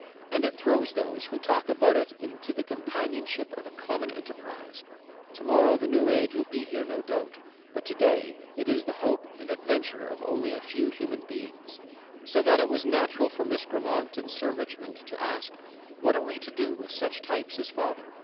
And it throws those who talk about it into the companionship of a common enterprise. To morrow the New Age will be here no doubt, but today it is the hope and adventure of only a few human beings. So that it was natural for Miss Grammont and Sir Richmond to ask: "What are we to do with such types as father?"